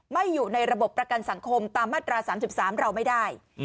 อยู่ในระบบประกันสังคมตามมาตรา๓๓เราไม่ได้